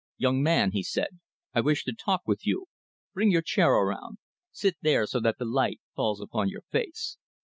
"Young man," he said, "I wish to talk with you. Bring your chair around. Sit there so that the light falls upon your face.